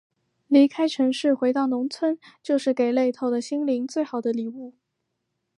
离开城市，回到农村，就是给累透的心灵最好的礼物。